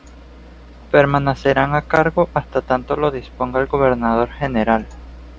Permanecerán a cargo hasta tanto lo disponga el Gobernador general.